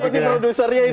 nanti nanti produsernya ini